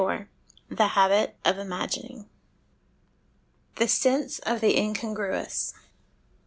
THE HABIT OF IMAGINING The Sense of the Incongruous.